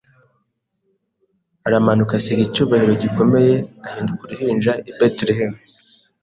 aramanuka asiga icyubahiro gikomeye ahinduka uruhinja i Betelehemu,